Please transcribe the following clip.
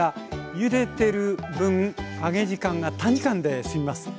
ゆでてる分揚げ時間が短時間で済みます。